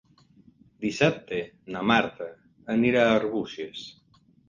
Dissabte na Marta anirà a Arbúcies.